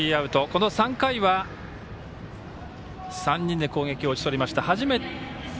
この３回は３人で攻撃を打ち取りました。